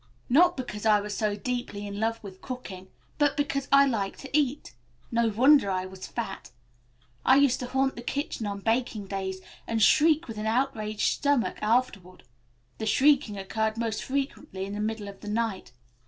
Not because I was so deeply in love with cooking, but because I liked to eat. No wonder I was fat. I used to haunt the kitchen on baking days and shriek with an outraged stomach afterward. The shrieking occurred most frequently in the middle of the night.